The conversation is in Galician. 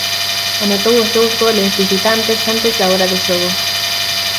Anotou os dous goles visitantes antes da hora de xogo.